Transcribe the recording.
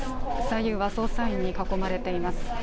左右は捜査員に囲まれています。